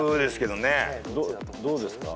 どうですか？